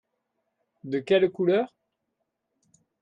De quelle couleur ?